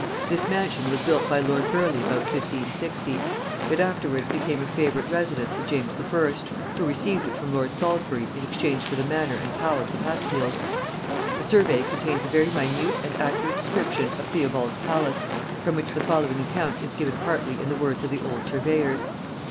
This mansion was built by lord Burleigh about 1560: it afterwards became a favourite residence of James I. who received it from lord Salisbury in exchange for the manor and palace of Hatfield. The Survey contains a very minute and accurate description of Theobald's palace, from which the following account is given partly in the words of the old surveyors.